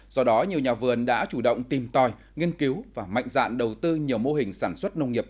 do đó nhiều nhà vườn đã chủ động tìm tòi nghiên cứu và mạnh dạn đầu tư nhiều mô hình sản xuất nông nghiệp